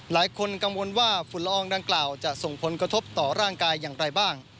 หลายคนกังวลว่าฝุ่นละอองดังกล่าวจะส่งผลกระทบต่อร่างกายอย่างไรบ้าง